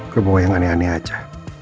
gue mau yang aneh aneh aja